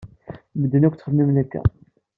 Medden akk ttxemmimen akka.